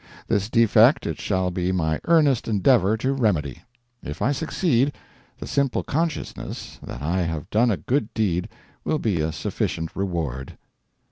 This defect it shall be my earnest endeavour to remedy. If I succeed, the simple consciousness that I have done a good deed will be a sufficient reward.